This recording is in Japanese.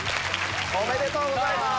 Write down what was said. おめでとうございます。